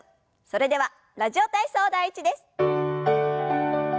それでは「ラジオ体操第１」です。